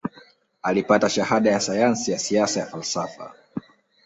Alipata shahada ya sayansi ya siasa na falsafa